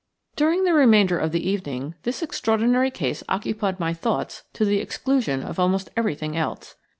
During the remainder of the evening this extraordinary case occupied my thoughts to the exclusion of almost everything else.